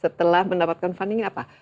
setelah mendapatkan funding apa